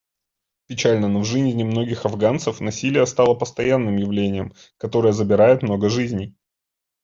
Печально, но в жизни многих афганцев насилие стало постоянным явлением, которое забирает много жизней.